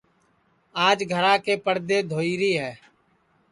آج گھرا کے پڑدے دھوئیری ہے